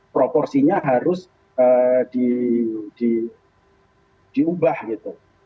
proporsinya harus diubah gitu